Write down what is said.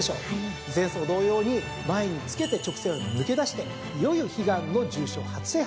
前走同様に前に付けて直線を抜け出していよいよ悲願の重賞初制覇。